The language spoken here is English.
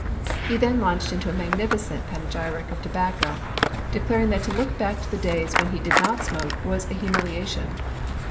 He then launched into a magnificent panegjrric of tobacco, declaring that to look back to the days when he did not smoke was a humiliation.